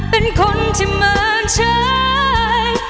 เป็นคนที่เหมือนชาย